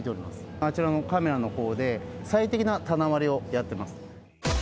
あちらのカメラのほうで、最適な棚割りをやってます。